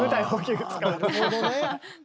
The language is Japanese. なるほどね！